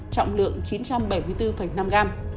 trọng lượng chín trăm bảy mươi bốn năm gram